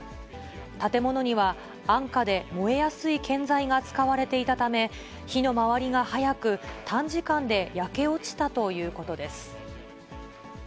建物には安価で燃えやすい建材が使われていたため、火の回りが早く、短時間で焼け落ちたということです。